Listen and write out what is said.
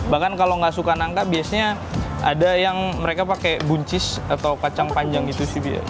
bahkan kalau nggak suka nangka biasanya ada yang mereka pakai buncis atau kacang panjang itu sih